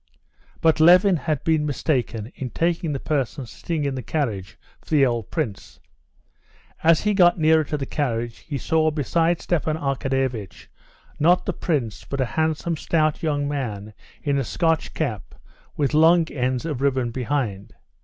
But Levin had been mistaken in taking the person sitting in the carriage for the old prince. As he got nearer to the carriage he saw beside Stepan Arkadyevitch not the prince but a handsome, stout young man in a Scotch cap, with long ends of ribbon behind.